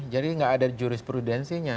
jadi gak ada jurisprudensinya